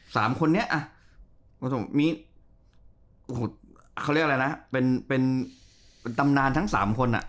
สามคนนี้มีเขาเรียกอะไรนะเป็นตำนานทั้งสามคนน่ะ